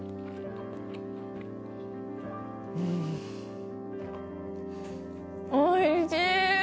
うーんおいしい！